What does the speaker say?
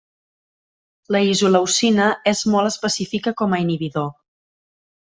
La isoleucina és molt específica com a inhibidor.